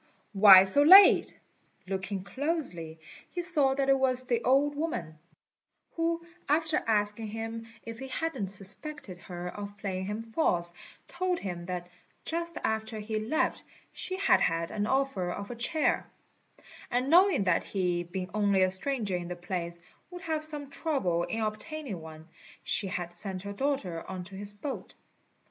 why so late?" Looking closely, he saw that it was the old woman, who, after asking him if he hadn't suspected her of playing him false, told him that just after he left she had had the offer of a chair; and knowing that he, being only a stranger in the place, would have some trouble in obtaining one, she had sent her daughter on to his boat.